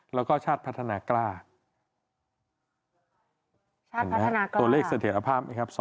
แล้วก็ชาติพัฒนากล้าตัวเลขสถิตภาพนี่ครับ๒๗๑